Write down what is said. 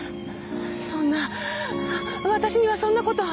そんな私にはそんなことは。